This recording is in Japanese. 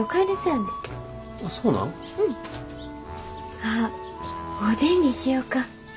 あっおでんにしよか。